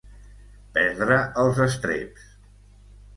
Perdre els estreps.